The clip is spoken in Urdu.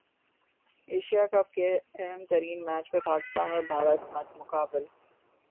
ایشیا کپ کے اہم ترین میچ میں پاکستان اور بھارت مد مقابل